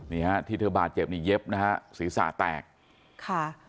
นี่ฮะที่เธอบาดเจ็บนี่เย็บนะฮะศีรษะแตกค่ะ